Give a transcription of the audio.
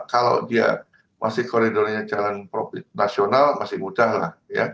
kalau dia masih koridornya jalan profit nasional masih mudah lah